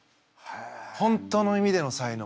本当の意味での才能。